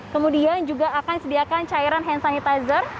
kemudian juga akan disediakan cairan hand sanitizer